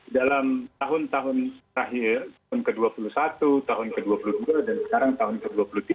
dalam tahun tahun terakhir tahun ke dua puluh satu tahun ke dua puluh dua dan sekarang tahun ke dua puluh tiga